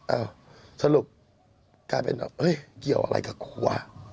เอ้าสรุปกลายเป็นเอ้ยเกี่ยวอะไรกับกูวะ